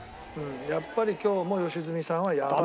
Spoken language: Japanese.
やっぱり今日も良純さんはやばい。